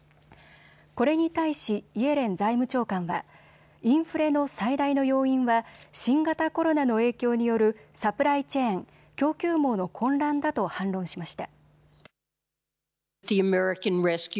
これに対しイエレン財務長官はインフレの最大の要因は新型コロナの影響によるサプライチェーン・供給網の混乱だと反論しました。